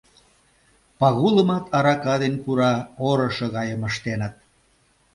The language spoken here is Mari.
Пагулымат арака ден пура орышо гайым ыштеныт.